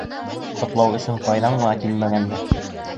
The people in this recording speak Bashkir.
Ҡотлау өсөн ҡайҙан ғына килмәгәндәр!